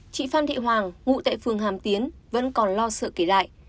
chị phan thị hoàng ngụ tại phường hàm tiến vẫn còn lo sợ kể lại